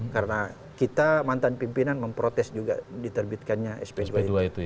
karena kita mantan pimpinan memprotes juga diterbitkannya sp dua itu